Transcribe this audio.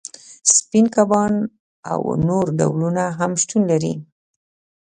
سپین کبان او نور ډولونه هم شتون لري